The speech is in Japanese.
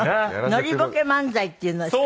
ノリボケ漫才っていう。